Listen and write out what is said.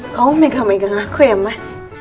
kamu megang megang aku ya mas